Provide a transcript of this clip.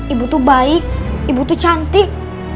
ibu tuh baik ibu tuh cantik